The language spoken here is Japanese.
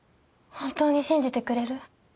本当に信じてくれる？